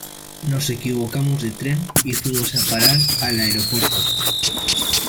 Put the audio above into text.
Nos equivocamos de tren y fuimos a parar al aeropuerto.